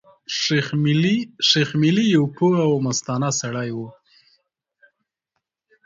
شېخ ملي يو پوه او مستانه سړی وو.